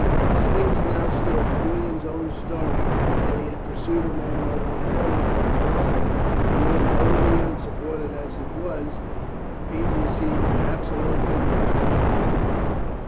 As things now stood, Julian's own story that he had pursued a man over the hills, and had lost him, would, wholly unsupported as it was, be received with absolute incredulity.